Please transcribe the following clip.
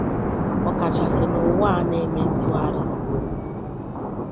ọ kachasị n'ụwa a na-eme ntụgharị.